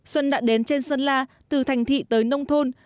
xuân đã đến trên sơn la từ thành thị tới nông thôn